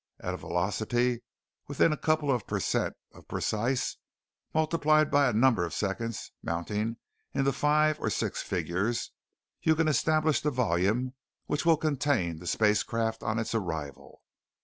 At a velocity within a couple of percent of precise, multiplied by a number of seconds mounting into five or six figures, you can establish the volume which will contain the spacecraft on its arrival.